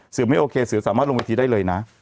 เสือไม่โอเคเสือสามารถลงบทีได้เลยนะ